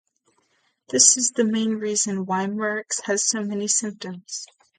This is the main reason why "Murex" has so many synonyms.